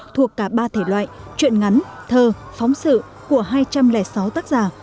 thuộc cả ba thể loại chuyện ngắn thơ phóng sự của hai trăm linh sáu tác giả